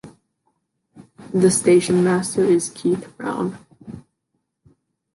The Stationmaster is Keith Brown.